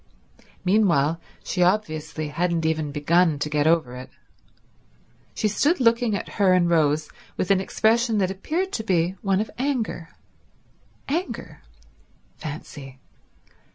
Meanwhile she obviously hadn't even begun to get over it. She stood looking at her and Rose with an expression that appeared to be one of anger. Anger. Fancy.